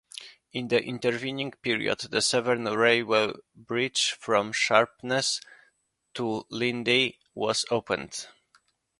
In the intervening period the Severn Railway Bridge from Sharpness to Lydney was opened.